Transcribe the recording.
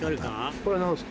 これ何ですか？